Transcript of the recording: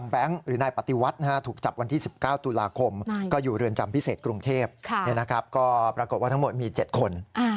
เทพก็ปรากฏว่าทั้งหมดมี๗คน